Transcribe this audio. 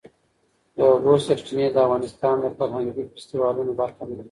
د اوبو سرچینې د افغانستان د فرهنګي فستیوالونو برخه ده.